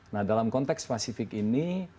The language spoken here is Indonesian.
nah dalam konteks pasifik ini